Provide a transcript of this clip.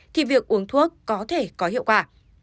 thì việc uống thuốc có thể có hiệu quả